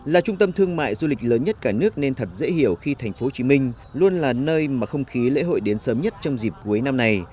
là trung tâm thương mại du lịch lớn nhất cả nước nên thật dễ hiểu khi thành phố hồ chí minh luôn là nơi mà không khí lễ hội đến sớm nhất trong dịp cuối năm này